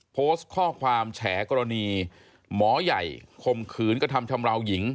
โพสต์ข้อความแฉกรณีหมอใหญ่คมขืนกระทำชำราวหญิง